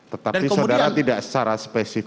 tetapi saudara tidak secara spesifik